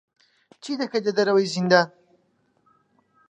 چی دەکەیت لە دەرەوەی زیندان؟